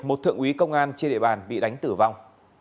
một thượng úy công an trên địa bàn bị đánh tử vong